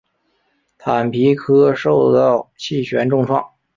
坦皮科受到气旋重创。